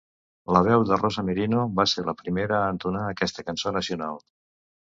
La veu de Rosa Merino va ser la primera a entonar aquesta cançó nacional.